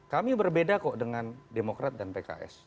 kami berbeda dengan dpr dan pks